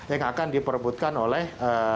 yang akan diperbutkan oleh